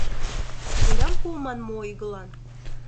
Волям пуыман мо ойгылан?